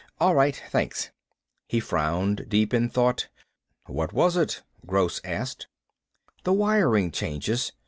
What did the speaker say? All right, thanks." He frowned, deep in thought. "What is it?" Gross asked. "The wiring changes.